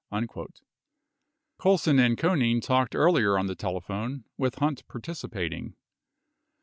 61 Colson and Conein talked earlier on the telephone, with Hunt participating